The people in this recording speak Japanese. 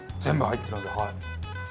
全部入ってるんではい。